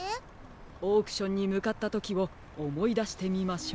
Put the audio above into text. オークションにむかったときをおもいだしてみましょう。